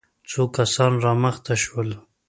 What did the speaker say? څو کسان را مخته شول.